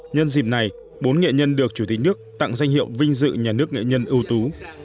nhân dịp này bốn nghệ nhân được chủ tịch nước tặng danh hiệu vinh dự nhà nước nghệ nhân ưu tú